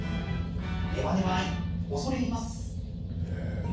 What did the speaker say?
ネバネバ愛、恐れ入ります。